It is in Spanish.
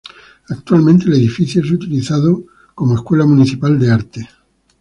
Actualmente el edificio es utilizado como escuela municipal de artes.